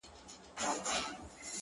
را ايله يې کړه آزار دی جادوگري”